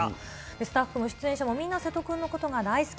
スタッフも出演者も、みんな瀬戸君のことが大好き。